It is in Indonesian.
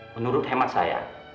menurut hemat saya